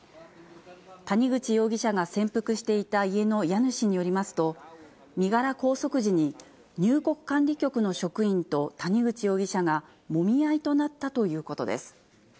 谷口容疑者が潜伏していた家の家主によりますと、身柄拘束時に入国管理局の職員と谷口容疑者が、もみ合いとなったということです。